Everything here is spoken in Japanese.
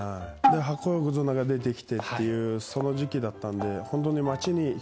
白鵬横綱が出てきてっていうその時期だったんで本当に。